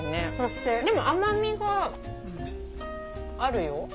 でも甘みがあるよ。